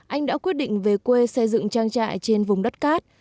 anh đã quyết định về quê xây dựng trang trại trên vùng đất cát